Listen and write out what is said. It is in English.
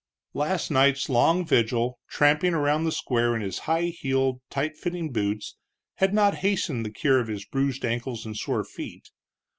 Last night's long vigil, tramping around the square in his high heeled, tight fitting boots, had not hastened the cure of his bruised ankles and sore feet.